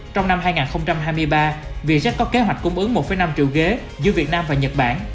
trong năm hai nghìn hai mươi ba vietjet có kế hoạch cung ứng một năm triệu ghế giữa việt nam và nhật bản